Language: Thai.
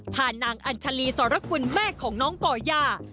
นางอัญชาลีสรกุลแม่ของน้องก่อย่า